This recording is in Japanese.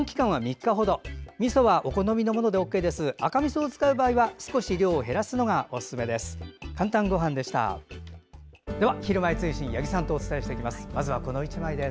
赤みそを使う場合は少し量を減らすのがおすすめです。